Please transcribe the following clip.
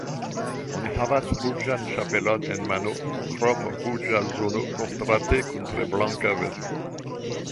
Oni havas ruĝan ĉapelon en mano, krom ruĝa zono kontraste kun tre blanka vesto.